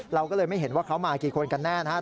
เราก็เลยไม่เห็นว่าเขามากี่คนกันแน่นะครับ